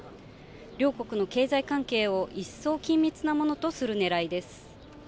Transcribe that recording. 両国の経済関係を一層緊密なものとするねらいです。